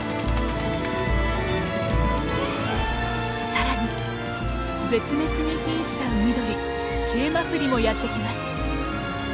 さらに絶滅に瀕した海鳥ケイマフリもやって来ます。